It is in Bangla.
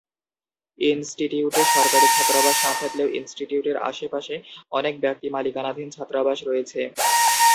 ইনস্টিটিউটে সরকারি ছাত্রাবাস না থাকলেও ইনস্টিটিউটের আশেপাশে অনেক ব্যক্তি মালিকানাধীন ছাত্রাবাস রয়েছে।